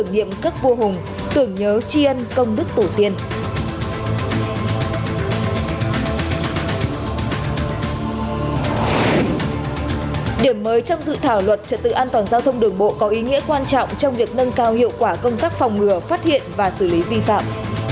điểm mới trong dự thảo luật trật tự an toàn giao thông đường bộ có ý nghĩa quan trọng trong việc nâng cao hiệu quả công tác phòng ngừa phát hiện và xử lý vi phạm